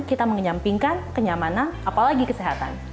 kita menyampingkan kenyamanan apalagi kesehatan